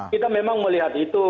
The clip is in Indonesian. kita memang melihat itu